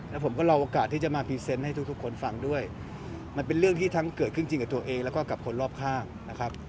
แล้วผมก็รอโอกาสที่จะมาพรีเซนต์ให้ทุกทุกคนฟังด้วยมันเป็นเรื่องที่ทั้งเกิดขึ้นจริงกับตัวเองแล้วก็กับคนรอบข้างนะครับ